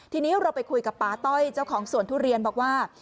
ทีนี้เราไปคุยกับป๊าต้อยเจ้าของสวนทุเรียนบอกว่า